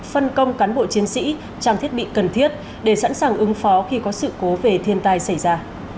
phân công cán bộ chiến sĩ trang thiết bị cần thiết để sẵn sàng ứng phó khi có sự cố về thiên tai xảy ra